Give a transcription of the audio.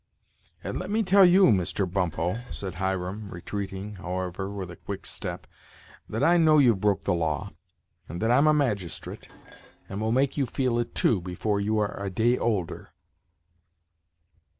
"And let me tell you, Mr. Bumppo," said Hiram, retreating, however, with a quick step, "that I know you've broke the law, and that I'm a magistrate, and will make you feel it too, before you are a day older."